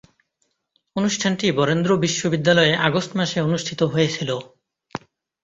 অনুষ্ঠানটি বরেন্দ্র বিশ্ববিদ্যালয়ে আগস্ট মাসে অনুষ্ঠিত হয়েছিলো।